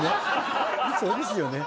そうですよね